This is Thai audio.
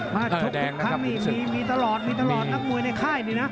มาทุกทุกครั้งนี่มีมีมีตลอดมีตลอดนักมวยในค่ายดีน่ะ